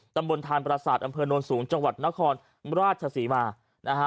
ตำบลธานปราศาสตร์อำเภณนท์สูงจังหวัดนครมราชศรีมานะฮะ